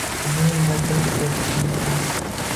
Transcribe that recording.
Mening gapirish tajribam kam.